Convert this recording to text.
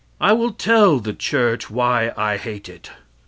I will tell the church why I hate it.